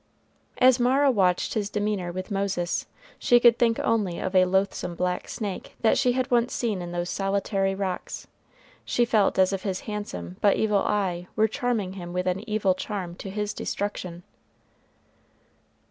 As Mara watched his demeanor with Moses, she could think only of a loathsome black snake that she had once seen in those solitary rocks; she felt as if his handsome but evil eye were charming him with an evil charm to his destruction.